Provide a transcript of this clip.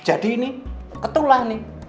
jadi ini ketulah nih